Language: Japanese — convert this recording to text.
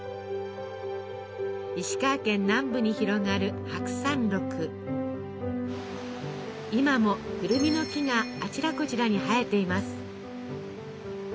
石川県南部に広がる今もくるみの木があちらこちらに生えています。